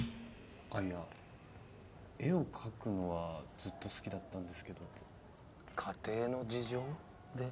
あっいや絵を描くのはずっと好きだったんですけど家庭の事情で。